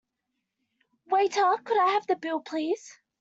Waiter, could I have the bill please?